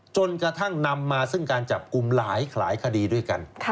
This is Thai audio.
จนกระทั่งนำมาซึ่งการจับกลุ่มหลายคดีด้วยกัน